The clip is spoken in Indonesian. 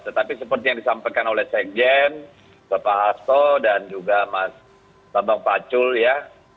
tetapi seperti yang disampaikan oleh sekjen bapak hasto dan juga mas bambang pacul ya